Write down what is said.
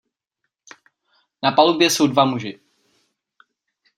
Na palubě jsou dva muži.